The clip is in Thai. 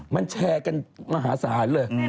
มันแชร์กันมหาสาหรณ์เลย